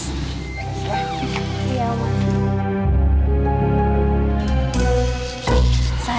terima kasih ya